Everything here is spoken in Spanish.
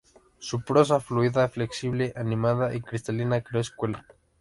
Su prosa fluida, flexible, animada y cristalina, creó escuela.